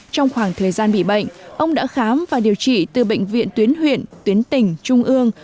trong khoảng thời gian bị bệnh ông đã khám và điều trị từ bệnh viện tuyến huyện tuyến tỉnh trung ương